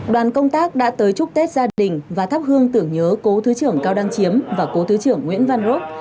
đoàn công tác đã tới chúc tết gia đình và thắp hương tưởng nhớ cố thứ trưởng cao đăng chiếm và cố thứ trưởng nguyễn văn rock